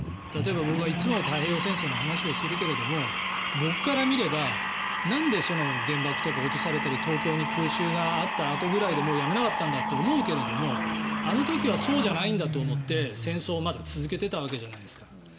例えば僕がいつも太平洋戦争の話をするけれど僕から見ればなんで原爆と顔とされたり東京に空襲があったあとぐらいでやめなかったんだって思うけどあの時はそうじゃないんだと思って戦争をまだ続けていたわけじゃないですか。